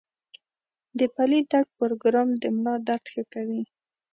د پلي تګ پروګرام د ملا درد ښه کوي.